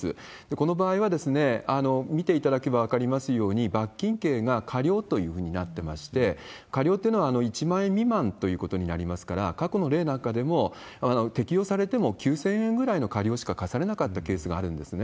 この場合は、見ていただければ分かりますように、罰金刑が過料という風になってまして、科料っていうのは１万円未満ということになりますから、過去の例なんかでも、適用されても９０００円くらいの科料しか科されなかったケースがあるんですね。